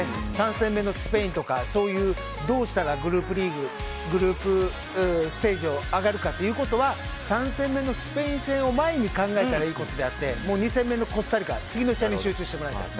３戦目のスペインとかそういう、どうしたらグループステージを上がるかということは３戦目のスペイン戦を前に考えたらいいことであって２戦目のコスタリカは次の試合に集中してもらいたい。